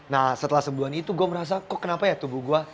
nah setelah sebulan itu gue merasa kok kenapa ya tubuh gue